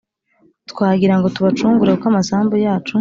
twagira ngo tubacungure kuko amasambu yacu